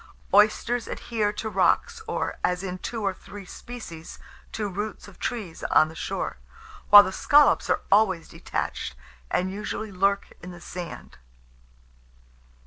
Oysters adhere to rocks, or, as in two or three species, to roots of trees on the shore; while the scallops are always detached, and usually lurk in the sand.